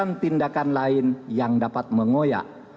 melakukan tindakan lain yang dapat mengoyak